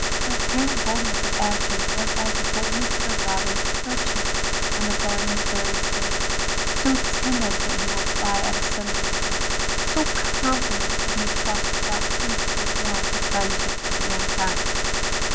Her apparent boldness of action was as the boldness of the robin perching on the gardener's very spade — so timid that he will fly at a sudden movement, so confident that he trusts without proof or warrant the friendship of mankind.